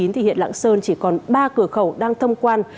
thì hiện lạng sơn chỉ còn ba cửa khẩu đang thông quan